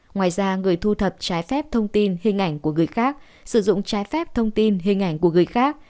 ngoài ra người thu thập trái phép thông tin hình ảnh của người khác sử dụng trái phép thông tin hình ảnh của người khác